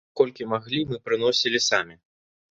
Колькі маглі, мы прыносілі самі.